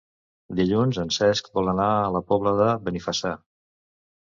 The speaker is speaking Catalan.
Dilluns en Cesc vol anar a la Pobla de Benifassà.